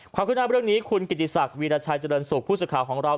ขึ้นหน้าเรื่องนี้คุณกิติศักดิราชัยเจริญสุขผู้สื่อข่าวของเรา